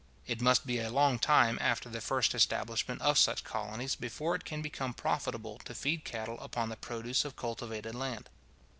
It must be a long time after the first establishment of such colonies, before it can become profitable to feed cattle upon the produce of cultivated land.